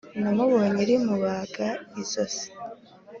Namubonye rimubaga izosi